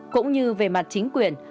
cũng như về mặt chính quyền